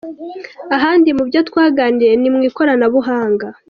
Ahandi mu byo twaganiriye ni mu ikoranabuhanga.